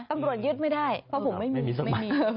ตำรวจยึดไม่ได้เพราะผมไม่มีไม่มี